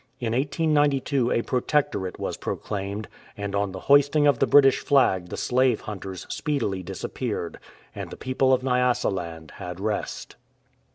In 1892 a Protectorate was proclaimed, and on the hoisting of the British flag the slave hunters speedily disappeared, and the people of Nyasaland had rest.